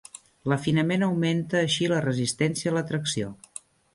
L'afinament augmenta així la resistència a la tracció.